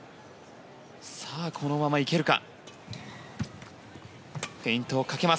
このままいけるか。